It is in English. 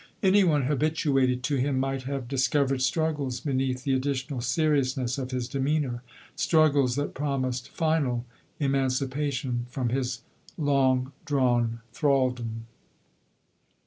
Any one habituated to him might have discovered strusjffles beneath the addi tional seriousness of his demeanour— struggles that promised final emancipation from his long drawn thraldom.